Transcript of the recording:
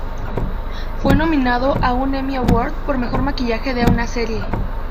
Fue nominado a un Emmy Award por mejor maquillaje de una serie.